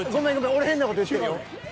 俺変な事言ってるよ。